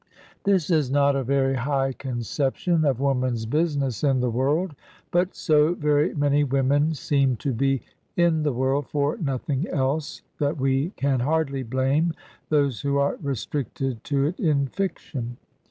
This is not a very high conception of woman's business in the world, but so very many women seem to be in the world for nothing else that we can hardly blame those who are restricted to it in fiction.